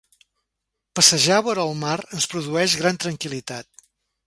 Passejar vora el mar ens produeix gran tranquil·litat.